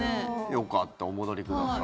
よかったお戻りください。